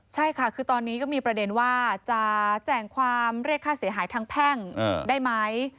ใช่ค่ะคือตอนนี้ก็มีประเด็นว่าจะแจ้งความเรียกค่าเสียหายทางแพ่งได้ไหม